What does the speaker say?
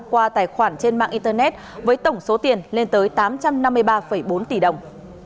qua tài khoản trên mạng internet với tổng số tiền lên tới tám trăm năm mươi ba bốn tỷ đồng